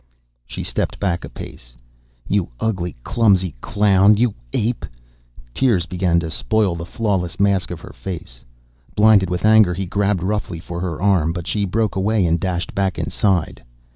She stepped back a pace. "You ugly, clumsy clown. You ape!" Tears began to spoil the flawless mask of her face. Blinded with anger, he grabbed roughly for her arm, but she broke away and dashed back inside.